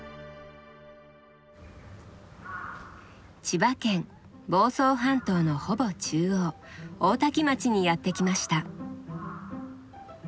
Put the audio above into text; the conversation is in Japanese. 千葉県房総半島のほぼ中央大多喜町にやって来ました。